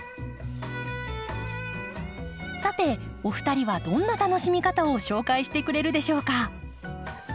さてお二人はどんな楽しみ方を紹介してくれるでしょうか？